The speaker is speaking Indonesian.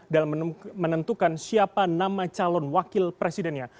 dalam menentukan siapa nama calon wakil presidennya